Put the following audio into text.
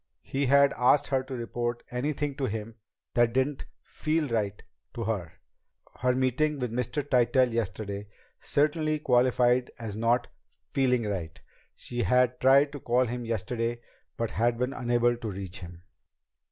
He had asked her to report anything to him that didn't "feel" right to her. Her meeting with Mr. Tytell yesterday certainly qualified as not "feeling right." She had tried to call him yesterday but had been unable to reach him.